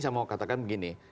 saya mau katakan begini